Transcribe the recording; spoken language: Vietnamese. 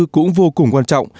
cũng vô cùng quan trọng